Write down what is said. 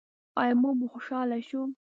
آیا موږ به خوشحاله شو؟